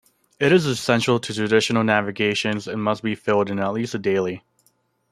It is essential to traditional navigation, and must be filled in at least daily.